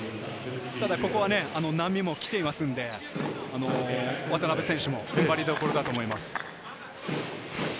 ただここは波も来ているので、渡邉選手も踏ん張りどころだと思います。